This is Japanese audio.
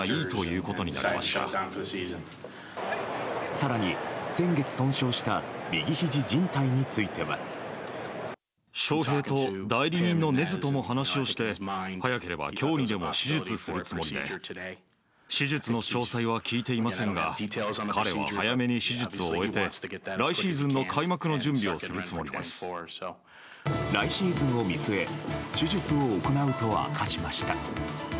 更に、先月損傷した右ひじじん帯については。来シーズンを見据え手術を行うと明かしました。